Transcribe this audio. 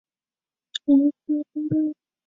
本游戏是一个纵向卷轴清版射击游戏。